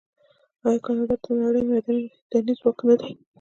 آیا کاناډا د نړۍ معدني ځواک نه دی؟